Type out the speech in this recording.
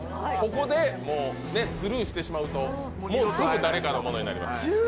ここでスルーしてしまうとすぐ誰かのものになります。